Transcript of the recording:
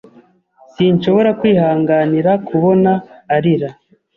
Sinshobora kwihanganira kubona arira.